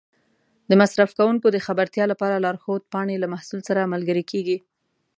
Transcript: د مصرف کوونکو د خبرتیا لپاره لارښود پاڼې له محصول سره ملګري کېږي.